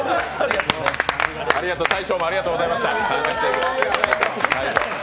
大将もありがとうございました。